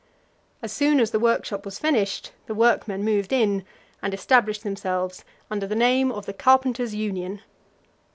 As soon as the workshop was finished, the workmen moved in, and established themselves under the name of the Carpenters' Union.